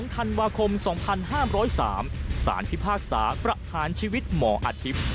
๑๒ธันวาคม๒๕๐๓สารพิพากษาประทานชีวิตหมออธิบ